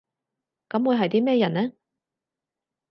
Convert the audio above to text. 噉會係啲咩人呢？